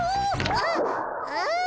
あっああ！